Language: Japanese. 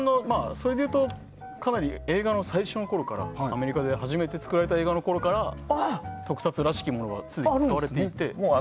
それでいうとかなり映画の最初のころからアメリカで初めて作られた映画のころから特撮らしきものがすでに使われていて。